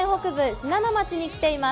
信濃町に来ています。